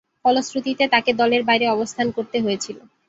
ফলশ্রুতিতে তাকে দলের বাইরে অবস্থান করতে হয়েছিল।